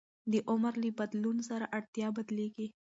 د عمر له بدلون سره اړتیا بدلېږي.